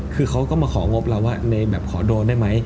คือเขาก็มาของงบเราว่าในแบบขอโดนได้ไหม